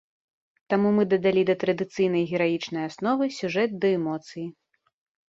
Таму мы дадалі да традыцыйнай гераічнай асновы сюжэт ды эмоцыі.